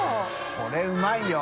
これうまいよ。